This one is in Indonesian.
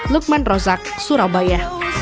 lukman rozak surabaya